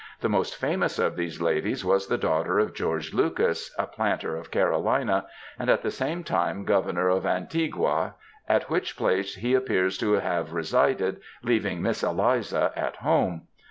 The most famous of these ladies was the daughter of George Lucas, a planter of Carolina, and at the same time Governor of Antigua, at which place he appears to have resided, leaving Miss Eliza at home.